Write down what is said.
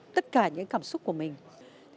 tất cả những cảm xúc của mình